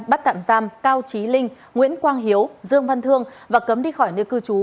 bắt tạm giam cao trí linh nguyễn quang hiếu dương văn thương và cấm đi khỏi nơi cư trú